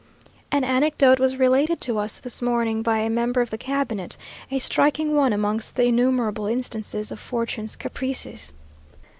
An anecdote was related to us this morning, by a member of the cabinet, a striking one amongst the innumerable instances of fortune's caprices.